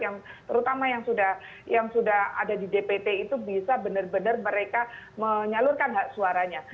yang terutama yang sudah ada di dpt itu bisa benar benar mereka menyalurkan hak suaranya